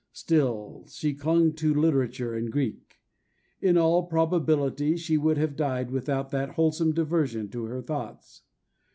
Still she clung to literature and Greek; in all probability she would have died without that wholesome diversion to her thoughts.